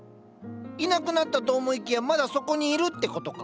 いなくなったと思いきやまだそこにいるってことか。